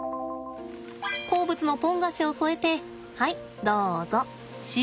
好物のポン菓子を添えてはいどうぞ。